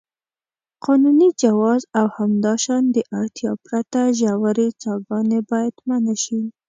قانوني جواز او همداشان د اړتیا پرته ژورې څاګانې باید منع شي.